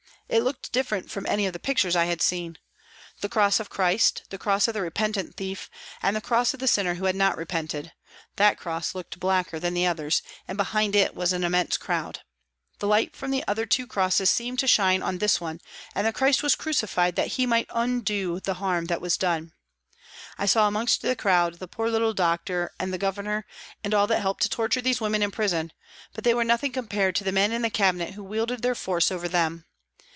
It looked different from any of the pictures I had seen. The cross of Christ, the cross of the repentant thief, and the cross of the sinner who had not repented that cross looked blacker than the others, and behind it was an immense crowd. The light from the other two crosses seemed to shine on this one, and the Christ was crucified that He might undo all the harm that was done. I saw amongst the crowd the poor little doctor and the Governor, and all that helped to torture these women in prison, but they were nothing compared to the men in the Cabinet who wielded their force over them.